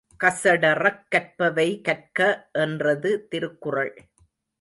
கசடறக் கற்பவை கற்க என்றது திருக்குறள்.